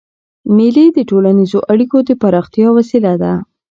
مېلې د ټولنیزو اړیکو د پراختیا وسیله ده.